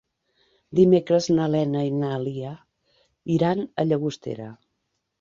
Dimecres na Lena i na Lia iran a Llagostera.